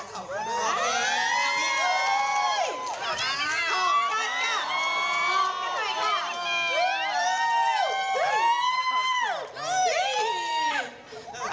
ออกกันค่ะหอมกันหน่อยค่ะ